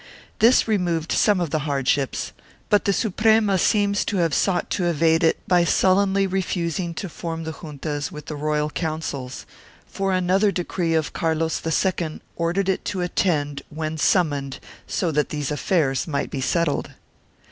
1 This removed some of the hardships, but the Suprema seems to have sought to evade it by sullenly refusing to form the juntas with the Royal Councils, for another decree of Carlos II ordered it to attend when sum moned so that these affairs might be settled.